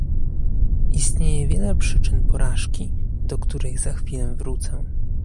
Istnieje wiele przyczyn porażki, do których za chwilę wrócę